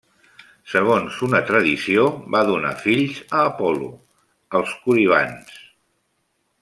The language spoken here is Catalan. Segons una tradició, va donar fills a Apol·lo, els Coribants.